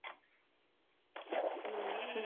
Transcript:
En cada episodio habrá un actor invitado.